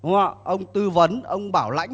ông tư vấn ông bảo lãnh